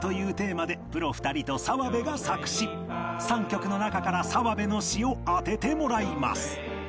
３曲の中から澤部の詞を当ててもらいます